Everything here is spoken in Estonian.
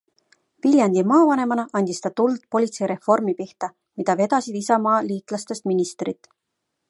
Viljandi maavanemana andis ta tuld politseireformi pihta, mida vedasid isamaaliitlastest ministrid.